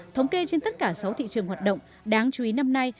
thống kê trên tất cả sáu thị trường hoạt động đáng chú ý năm nay